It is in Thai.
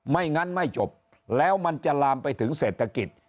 ไม่งั้นไม่จบแล้วมันจะลามไปถึงเศรษฐกิจ